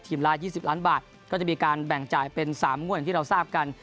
ละ๒๐ล้านบาทก็จะมีการแบ่งจ่ายเป็น๓งวดอย่างที่เราทราบกัน